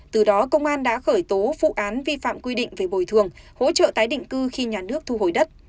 từ đó công an đã khởi tố vụ án vi phạm quy định về bồi thường hỗ trợ tái định cư khi nhà nước thu hồi đất